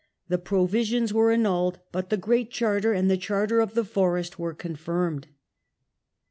The Provisions were annulled, but the Great Charter and the Charter of the Forest were confirmed.